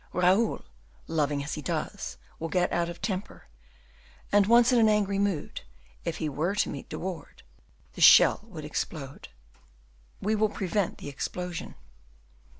Raoul, loving as he does, will get out of temper, and once in an angry mood, if he were to meet De Wardes, the shell would explode." "We will prevent the explosion."